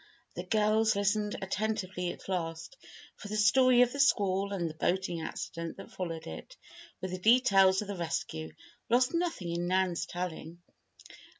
The girls listened attentively at last, for the story of the squall and the boating accident that followed it, with the details of the rescue, lost nothing in Nan's telling.